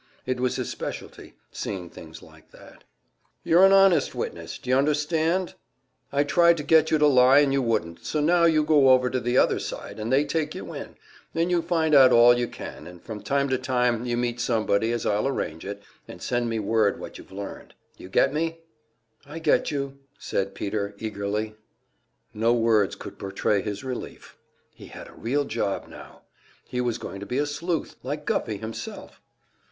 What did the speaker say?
It was his specialty, seeing things like that. "You're an honest witness, you understand? I tried to get you to lie, and you wouldn't, so now you go over to the other side, and they take you in, and you find out all you can, and from time to time you meet somebody as I'll arrange it, and send me word what you've learned. You get me?" "I get you," said Peter, eagerly. No words could portray his relief. He had a real job now! He was going to be a sleuth, like Guffey himself.